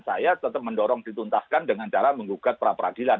saya tetap mendorong dituntaskan dengan cara menggugat pra peradilan